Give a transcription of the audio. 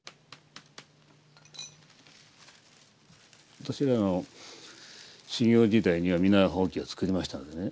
私らの修行時代には皆ほうきを作りましたのでね